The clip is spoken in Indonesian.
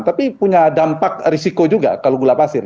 tapi punya dampak risiko juga kalau gula pasir